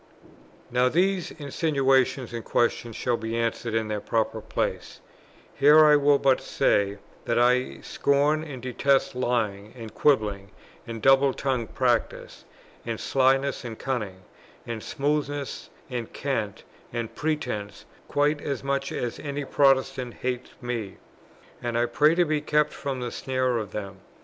Now these insinuations and questions shall be answered in their proper places; here I will but say that I scorn and detest lying, and quibbling, and double tongued practice, and slyness, and cunning, and smoothness, and cant, and pretence, quite as much as any Protestants hate them; and I pray to be kept from the snare of them.